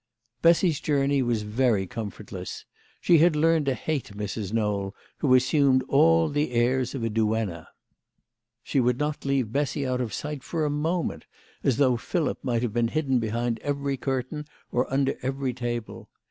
Bessy's journey was very comfortless. She had learned to hate Mrs. Knowl, who assumed all the airs of a duenna. She would not leave Bessy out of sight for a moment, as though Philip might have been hidden behind every curtain or under every table.